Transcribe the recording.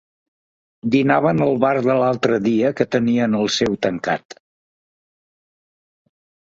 Dinaven al bar de l'altre el dia que tenien el seu tancat.